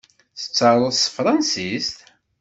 Tettaruḍ s tefṛansist?